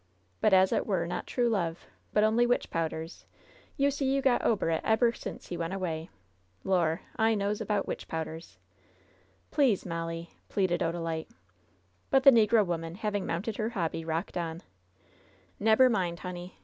But as it war not true love, but only witch powders, you see you got ober it eber since he went away. Lor' I I knows about witch powders." "Please, MoUie," pleaded Odalite. But the negro woman, having mounted her hobby, rocked on: "Neb^er mind, honey.